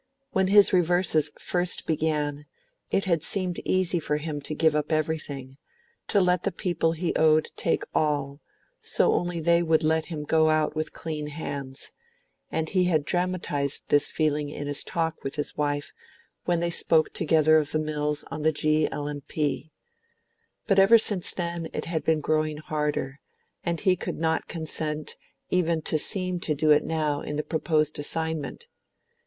When his reverses first began it had seemed easy for him to give up everything, to let the people he owed take all, so only they would let him go out with clean hands; and he had dramatised this feeling in his talk with his wife, when they spoke together of the mills on the G. L. & P. But ever since then it had been growing harder, and he could not consent even to seem to do it now in the proposed assignment.